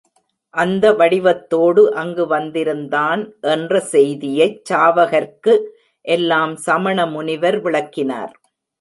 அந்த வடிவத்தோடு அங்கு வந்திருந்தான் என்ற செய்தியைச் சாவகர்க்கு எல்லாம் சமணமுனிவர் விளக்கினார்.